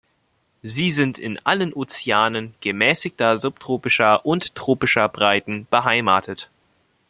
Sie sind in allen Ozeanen gemäßigter, subtropischer und tropischer Breiten beheimatet.